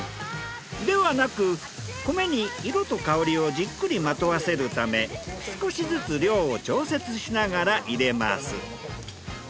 ではなく米に色と香りをじっくりまとわせるため少しずつ量を調節しながら入れます。